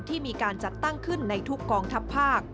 ที่มีการจัดตั้งขึ้นในทุกกองทัพภาค